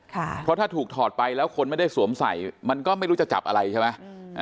เพราะถ้าถูกถอดไปแล้วคนไม่ได้สวมใส่มันก็ไม่รู้จะจับอะไรใช่ไหม